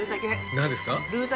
何ですか？